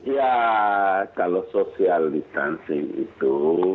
ya kalau social distancing itu